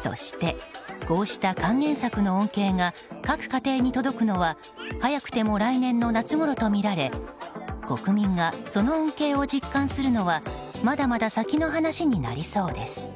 そして、こうした還元策の恩恵が各家庭に届くのは早くても来年の夏ごろとみられ国民がその恩恵を実感するのはまだまだ先の話になりそうです。